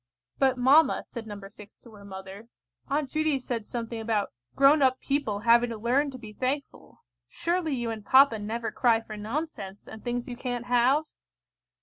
"But, mamma," said No. 6 to her mother, "Aunt Judy said something about grown up people having to learn to be thankful. Surely you and papa never cry for nonsense, and things you can't have?"